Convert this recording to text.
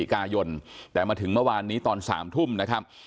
คราวที่๔พกแต่มาถึงเมื่อวานนี้ตอน๓ทุ่มนะครับ